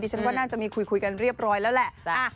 ฉันว่าน่าจะมีคุยกันเรียบร้อยแล้วแหละ